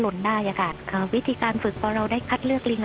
หล่นได้วิธีการฝึกเราได้คัดเลือกลิง